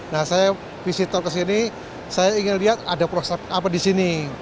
nah saya visitor ke sini saya ingin lihat ada proses apa di sini